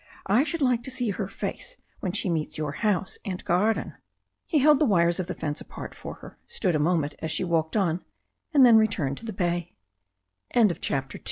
"I should like to see her face when she meets your house and garden." He held the wires of the fence apart for her, stood a moment as she walked on, and then re